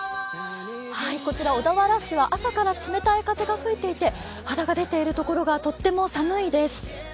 こちら小田原市は朝から寒さが続いていて肌が出ているところがとっても寒いです。